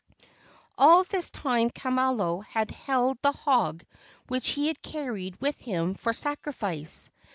All this time Kamalo had held the hog which he had carried with him for sacrifice.